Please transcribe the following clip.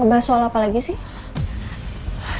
kamu mau ngobrolin darimu oculus i boleh digeret